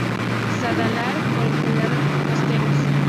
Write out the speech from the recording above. Saladares, por lo general costeros.